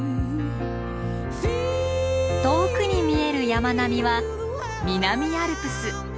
遠くに見える山並みは南アルプス。